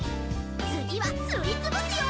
つぎはすりつぶすよ！